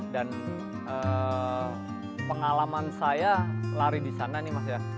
dan pengalaman saya lari di sana nih mas ya